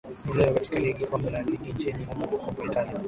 hii leo katika ligi ya kombe la ligi nchini humo kopa italia